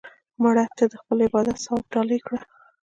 مړه ته د خپل عبادت ثواب ډالۍ کړه